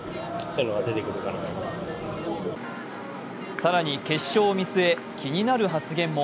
更に決勝を見据え気になる発言も。